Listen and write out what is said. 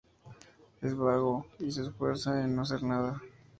Es vago y se esfuerza en no hacer nada.